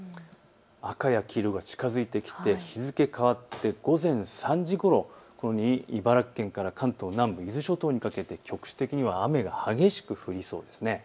赤や黄色が近づいてきて日付変わって、午前３時ごろ、茨城県から関東南部、伊豆諸島にかけて局地的には雨が激しく降りそうです。